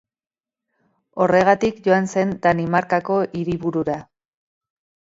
Horregatik joan zen Danimarkako hiriburura.